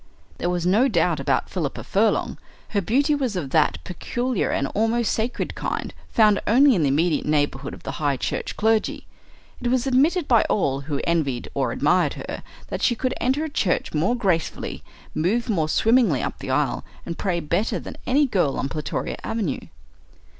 There was no doubt about Philippa Furlong. Her beauty was of that peculiar and almost sacred kind found only in the immediate neighbourhood of the High Church clergy. It was admitted by all who envied or admired her that she could enter a church more gracefully, move more swimmingly up the aisle, and pray better than any girl on Plutoria Avenue.